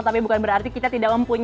tapi bukan berarti kita tidak mempunyai